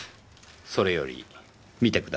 それより見てください。